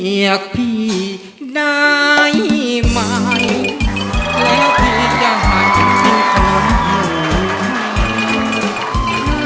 เรียกพี่ได้ไหมเรียกพี่จะให้เป็นคนให้ไหม